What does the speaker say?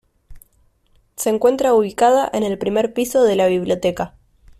Se encuentra ubicada en el primer piso de la biblioteca.